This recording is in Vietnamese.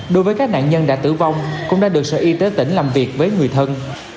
đối với các nạn nhân đã tử vong cũng đã được sở y tế tỉnh làm việc với người thân